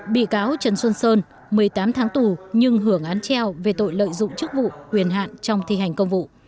bị cáo trần xuân sơn một mươi tám tháng tù nhưng hưởng án treo về tội lợi dụng chức vụ quyền hạn trong thi hành công vụ